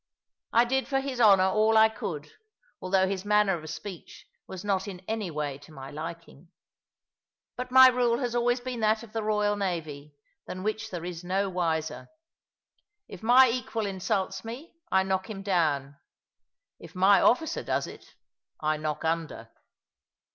I did for his Honour all I could, although his manner of speech was not in any way to my liking. But my rule has always been that of the royal navy, than which there is no wiser. If my equal insults me, I knock him down; if my officer does it, I knock under.